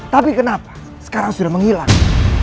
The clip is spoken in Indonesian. tapi kenapa sekarang sudah menghilang